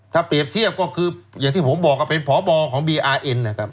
ถ้าเปรียบเทียบก็คืออย่างที่ผมบอกว่าเป็นพบของบีอาร์เอ็นนะครับ